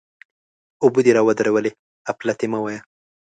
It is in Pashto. اوبه دې را ودرولې؛ اپلاتي مه وایه!